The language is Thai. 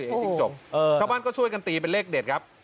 เอ๊ะจริงจบเออข้าวบ้านก็ช่วยกันตีเป็นเลขเด็ดครับ